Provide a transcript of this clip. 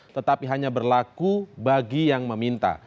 tetapi hanya berlaku bagi yang meminta